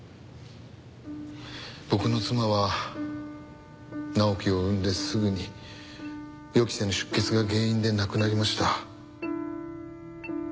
僕の妻は直樹を産んですぐに予期せぬ出血が原因で亡くなりました。